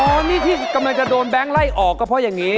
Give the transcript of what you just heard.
นี่ที่กำลังจะโดนแบงค์ไล่ออกก็เพราะอย่างนี้